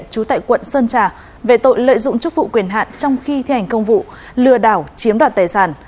trú tại quận sơn trà về tội lợi dụng chức vụ quyền hạn trong khi thi hành công vụ lừa đảo chiếm đoạt tài sản